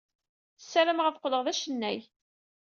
Ssarameɣ ad qqleɣ d acennay.